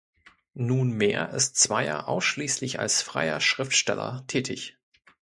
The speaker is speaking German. Nunmehr ist Zweyer ausschließlich als freier Schriftsteller tätig.